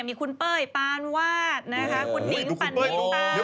พี่ปานวาดนะคะคุณนิ้งปั่นทิ้งตา